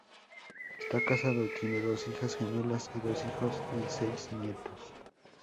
Está casado, tiene dos hijas gemelas y dos hijos y seis nietos.